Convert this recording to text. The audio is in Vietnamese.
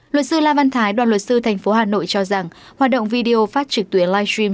luật sư la văn thái đoàn luật sư thành phố hà nội cho rằng hoạt động video phát trực tuyến live stream